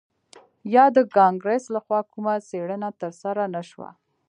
یا د کانګرس لخوا کومه څیړنه ترسره نه شوه